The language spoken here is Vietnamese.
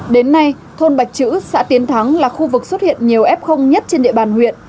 đến nay thôn bạch chữ xã tiến thắng là khu vực xuất hiện nhiều f nhất trên địa bàn huyện